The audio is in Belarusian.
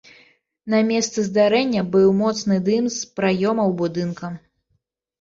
На месцы здарэння быў моцны дым з праёмаў будынка.